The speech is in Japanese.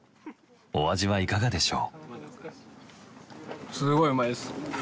お味はいかがでしょう？